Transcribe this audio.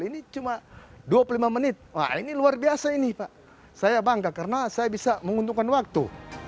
ini cuma dua puluh lima menit wah ini luar biasa ini pak saya bangga karena saya bisa menguntungkan waktu